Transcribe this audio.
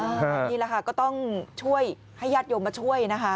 นี่แหละค่ะก็ต้องช่วยให้ญาติโยมมาช่วยนะคะ